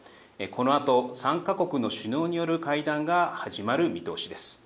このあと３か国の首脳による会談が始まる見通しです。